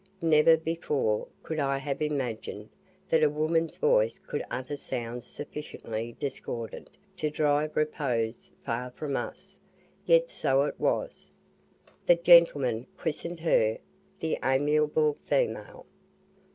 Never before could I have imagined that a woman's voice could utter sounds sufficiently discordant to drive repose far from us, yet so it was. The gentlemen christened her "the amiable female."